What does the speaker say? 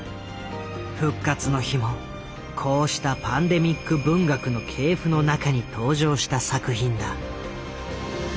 「復活の日」もこうしたパンデミック文学の系譜の中に登場した作品だ。